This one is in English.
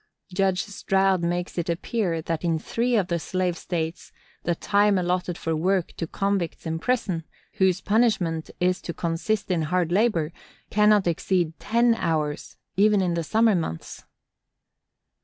Judge Stroud makes it appear that in three of the slave states the time allotted for work to convicts in prison, whose punishment is to consist in hard labor, cannot exceed ten hours, even in the summer months.